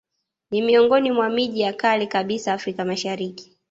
Ni miongoni mwa miji ya kale kabisa Afrika Mashariki